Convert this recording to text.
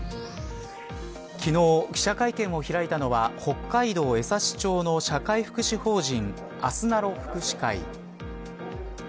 昨日、記者会見を開いたのは北海道江差町の社会福祉法人あすなろ福祉会。